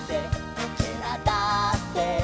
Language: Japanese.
「おけらだって」